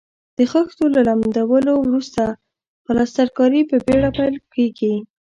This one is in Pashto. د خښتو له لمدولو وروسته پلسترکاري په بېړه پیل کیږي.